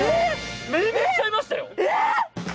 命名しちゃいましたよえっ！